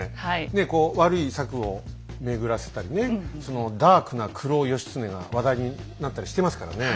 ねえこう悪い策を巡らせたりねそのダークな黒義経が話題になったりしてますからね。